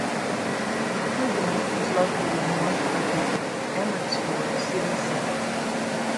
Hoogland is located north of the Amersfoort city centre.